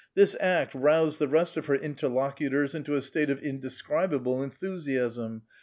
This act roused the rest of her interlocutors into a state of inde scribable enthusiasm.